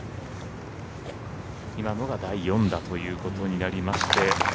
今のが第４打ということになりまして。